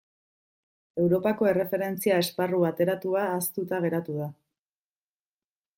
Europako Erreferentzia Esparru Bateratua ahaztuta geratu da.